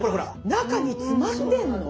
中に詰まってんの？